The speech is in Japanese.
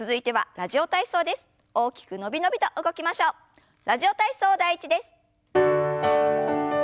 「ラジオ体操第１」です。